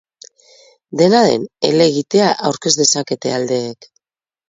Dena den, helegitea aurkez dezakete aldeek.